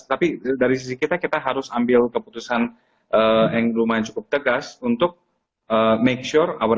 tapi dari sisi kita kita harus ambil keputusan yang lumayan cukup tegas untuk make sure our